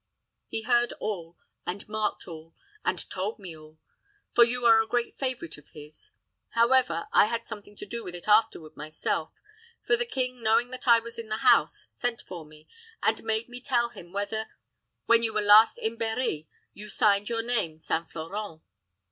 He heard all, and marked all, and told me all; for you are a great favorite of his. However, I had something to do with it afterward myself; for the king, knowing that I was in the house, sent for me, and made me tell him whether, when you were last in Berri, you signed your name St. Florent.